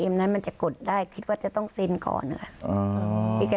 ไม่โครงหรอก